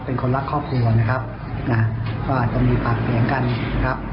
เป็นคนรักครอบครัวนะครับนะก็อาจจะมีปากเสียงกันครับ